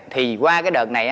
thì qua cái đợt này